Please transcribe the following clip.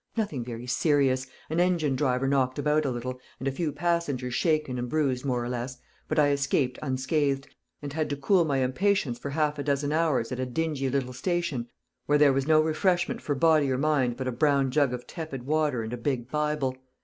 Nothing very serious: an engine driver knocked about a little, and a few passengers shaken and bruised more or less, but I escaped unscathed, and had to cool my impatience for half a dozen hours at a dingy little station where there was no refreshment for body or mind but a brown jug of tepid water and a big Bible.